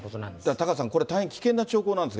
タカさん、これ、大変危険な兆候なんですね。